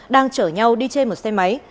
đang chở nhau đi chê một xe máy